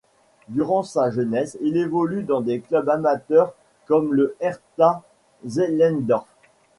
Durant sa jeunesse, il évolue dans des clubs amateurs comme le Hertha Zehlendorf.